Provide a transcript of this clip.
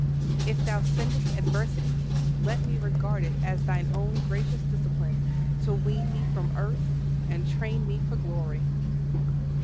If Thou sendest adversity, let me regard it as Thine own gracious discipline, to wean me from earth and train me for glory.